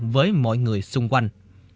với mọi người xung quanh